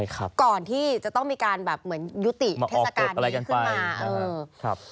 ก่อนที่จะต้องมีการแบบเหมือนยุติเทศกาลนี้ขึ้นมาเออครับ